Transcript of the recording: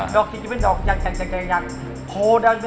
โพดำเป็นสีดำแล้วเป็นรูปโพ